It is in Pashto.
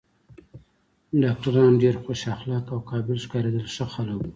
ډاکټران ډېر خوش اخلاقه او قابل ښکارېدل، ښه خلک و.